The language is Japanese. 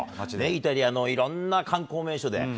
イタリアのいろんな観光名所で。